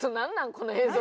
この映像。